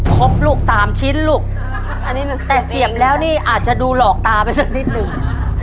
ครบลูกสามชิ้นลูกอันนี้แต่เสี่ยมแล้วนี่อาจจะดูหลอกตาไปสักนิดหนึ่ง